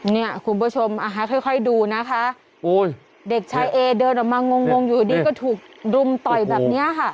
นี่คุณผู้ชมค่อยดูนะคะเด็กชายเอเดินออกมางงอยู่ดีก็ถูกดุมต่อยแบบนี้ค่ะ